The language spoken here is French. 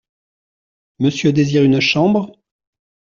Monsieur désire une chambre ?